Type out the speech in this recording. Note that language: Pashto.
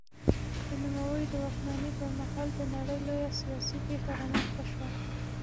د نوموړي د واکمنۍ پر مهال د نړۍ لویه سیاسي پېښه رامنځته شوه.